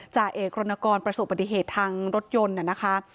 จ่าเอกรณกรประสบปฏิเหตุทางรถยนต์นะคะ